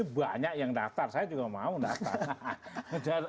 banyak yang daftar saya juga mau daftar